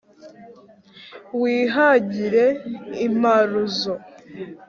wihagire imparuzo,